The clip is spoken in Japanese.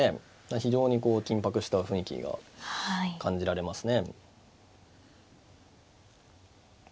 非常にこう緊迫した雰囲気が感じられますね。